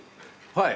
はい。